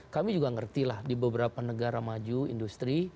kami juga ngerti lah di beberapa negara maju industri